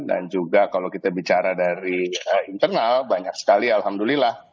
dan juga kalau kita bicara dari internal banyak sekali alhamdulillah